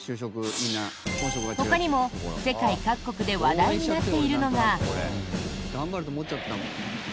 ほかにも世界各国で話題になっているのが。